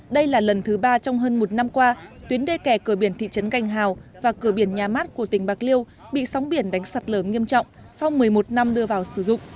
đây là lần thứ ba trong hơn một năm qua tuyến đê kè cửa biển thị trấn canh hào và cửa biển nhà mát của tỉnh bạc liêu bị sóng biển đánh sạt lở nghiêm trọng sau một mươi một năm đưa vào sử dụng